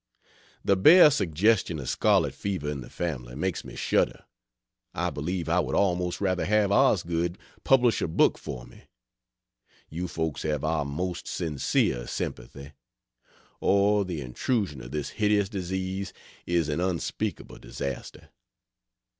The bare suggestion of scarlet fever in the family makes me shudder; I believe I would almost rather have Osgood publish a book for me. You folks have our most sincere sympathy. Oh, the intrusion of this hideous disease is an unspeakable disaster.